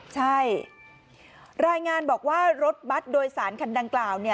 ใช่รายงานบอกว่ารถบัตรโดยสารคันดังกล่าว